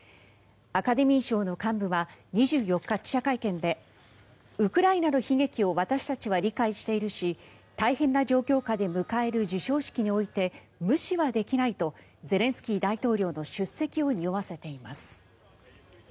アカデミー賞の幹部は２４日、記者会見でウクライナの悲劇を私たちは理解しているし大変な状況下で迎える授賞式において無視はできないとゼレンスキー大統領の出席をにおわせています。